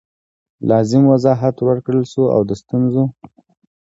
لازم وضاحت ورکړل سو او د ستونزو